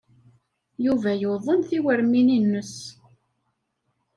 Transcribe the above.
Yuba yuḍen tiwermin-nnes.